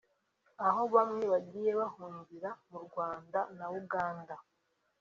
aho bamwe bagiye bahungira mu Rwanda na Uganda